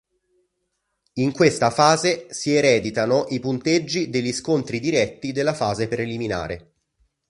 In questa fase si ereditano i punteggi degli scontri diretti della fase preliminare.